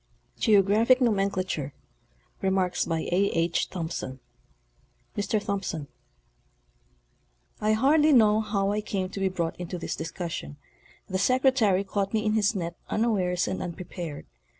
ete. Geographic Nomenclature. 2TT Mr. Tuomrson: I hardly know how I came to be brought into this discussion. The Secretary caught me in his net unawares and unprepared.